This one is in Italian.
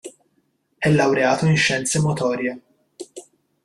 È laureato in Scienze motorie.